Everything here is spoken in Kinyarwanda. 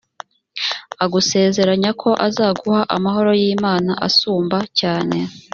agusezeranya ko azaguha amahoro y imana asumba cyane